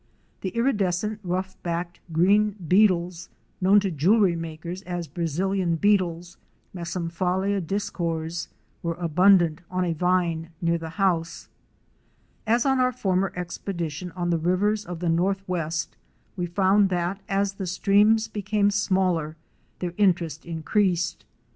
*' The iridescent rough backed green beetles, known to jewelry makers as Brazilian Beetles (Mesomphalia discors), were abundant on a vine near the house. As on our former expedition on the rivers of the northwest we found that as the streams became smaller, their interest WATER TRAIL FROM GEORGETOWN TO AREMU. 269 increased.